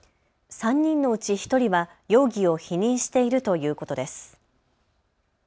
３人のうち１人は容疑を否認しているということです。